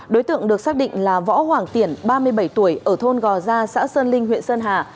đối tượng được xác định là võ hoàng tiển ba mươi bảy tuổi ở thôn gò gia xã sơn linh huyện sơn hà